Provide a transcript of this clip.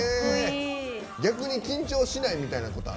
逆に緊張しないみたいなのはある？